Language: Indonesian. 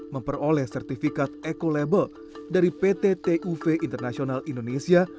memperoleh sertifikat eco label dari pt tuv internasional indonesia